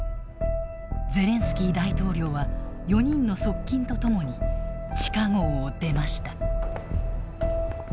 ゼレンスキー大統領は４人の側近と共に地下壕を出ました。